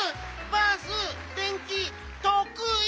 バースでんきとくい！